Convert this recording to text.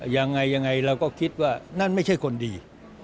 ยังไงยังไงเราก็คิดว่านั่นไม่ใช่คนดี